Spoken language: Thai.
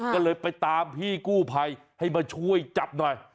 ก็เลยไปตามพี่กู้ภัยให้มาช่วยจับหน่อย